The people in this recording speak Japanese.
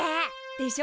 でしょ？